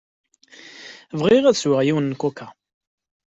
Bɣiɣ ad sweɣ yiwen n kuka.